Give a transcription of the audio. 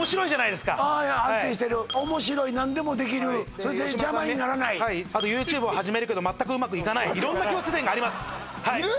いや安定してる面白い何でもできるそれで邪魔にならないあとＹｏｕＴｕｂｅを始めるけど全くうまくいかない色んな共通点がありますいる？